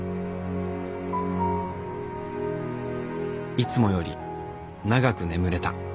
いつもより長く眠れた。